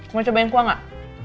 mau cobain kuah gak